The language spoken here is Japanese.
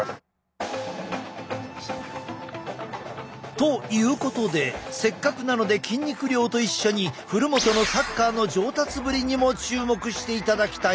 ということでせっかくなので筋肉量と一緒に古元のサッカーの上達ぶりにも注目していただきたい。